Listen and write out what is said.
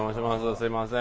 すいません。